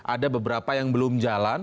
ada beberapa yang belum jalan